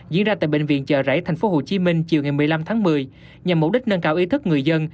diễn ra tại bệnh viện chợ rẫy tp hcm chiều ngày một mươi năm tháng một mươi nhằm mục đích nâng cao ý thức người dân